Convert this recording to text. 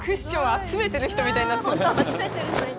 集めてる人になってる。